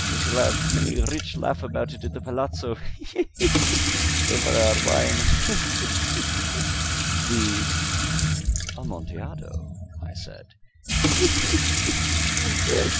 We shall have many a rich laugh about it at the palazzo he! he! he! over our wine he! he! he!" "The Amontillado!" I said. "He! he! he! he! he!